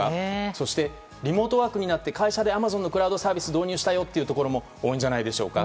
そして、リモートワークになって会社でアマゾンのクラウドサービスを導入したよというところも多いんじゃないでしょうか。